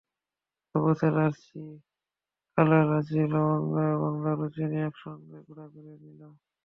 সবুজ এলাচি, কালো এলাচি, লবঙ্গ এবং দারুচিনি একসঙ্গে গুঁড়া করে নিন।